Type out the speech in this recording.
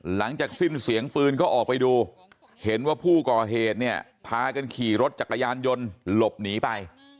หลังจากสิ้นเสียงปืนก็ออกไปดูเห็นว่าผู้ก่อเหตุเนี่ยพากันขี่รถจักรยานยนต์หลบหนีไป